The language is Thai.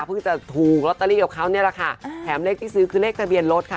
จะถูกลอตเตอรี่กับเขาเนี่ยแหละค่ะแถมเลขที่ซื้อคือเลขทะเบียนรถค่ะ